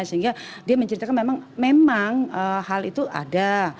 sehingga dia menceritakan memang hal itu ada